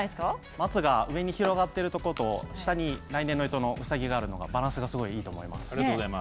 松が上に広がっているところと下に来年のえとのうさぎがあるところがバランスがいいと思います。